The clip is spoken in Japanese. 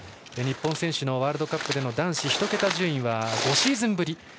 日本選手のワールドカップでの男子１桁順位は５シーズンぶり